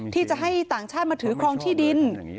ที่จะให้ต่างชาติมาถือครองที่ดิน